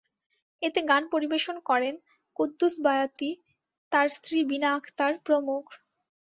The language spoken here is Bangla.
এতে গান পরিবেশন করেন কুদ্দুছ বয়াতি, তাঁর স্ত্রী বিনা আক্তার প্রমুখ।